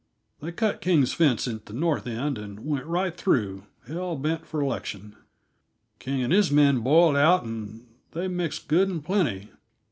They cut King's fence at the north end, and went right through, hell bent for election. King and his men boiled out, and they mixed good and plenty.